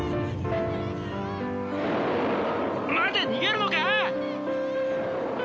待て逃げるのか？